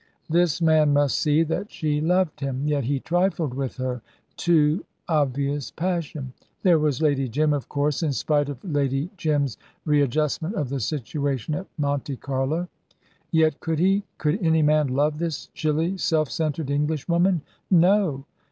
This man must see that she loved him; yet he trifled with her too obvious passion. There was Lady Jim, of course, in spite of Lady Jim's readjustment of the situation at Monte Carlo. Yet, could he, could any man, love this chilly, self centered Englishwoman? No!